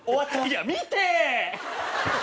いや見て！